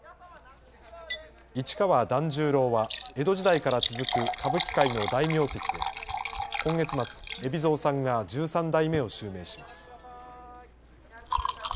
市川團十郎は江戸時代から続く歌舞伎界の大名跡で今月末、海老蔵さんが十三代目を襲名します。